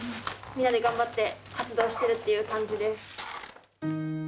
みんなで頑張って活動しているという感じです。